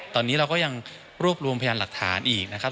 ตอนนี้เราก็ยังรวบรวมพยานหลักฐานอีกนะครับ